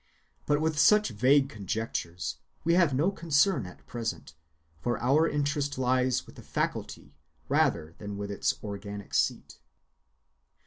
But with such vague conjectures we have no concern at present, for our interest lies with the faculty rather than with its organic seat.